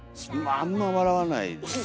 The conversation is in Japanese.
あんま笑わないです。